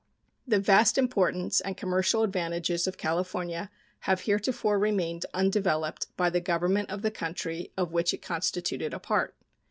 The vast importance and commercial advantages of California have heretofore remained undeveloped by the Government of the country of which it constituted a part.